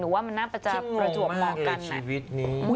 หนูว่ามันน่าจะประจวกเหมาะกัน